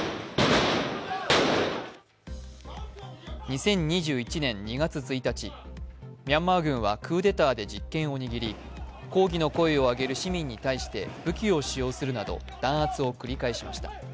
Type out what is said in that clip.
２０２１年２月１日、ミャンマー軍はクーデターで実権を握り抗議の声を上げる市民に対して武器を使用するなど弾圧を繰り返しました。